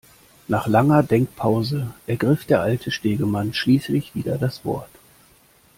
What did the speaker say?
Nach langer Denkpause ergriff der alte Stegemann schließlich wieder das Wort.